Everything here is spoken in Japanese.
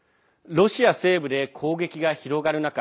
ロシア西部で攻撃が広がる中